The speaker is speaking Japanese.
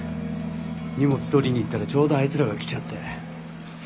荷物取りに行ったらちょうどあいつらが来ちゃって。